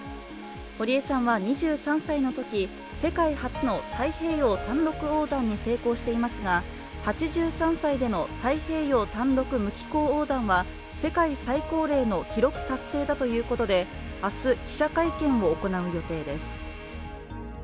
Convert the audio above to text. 堀江さんは２３歳のとき、世界初の太平洋単独横断に成功していますが、８３歳での太平洋単独・無寄港横断は世界最高齢の記録達成だということで、明日、記者会見を行う予定です。